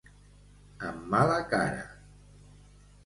Amb mala cara.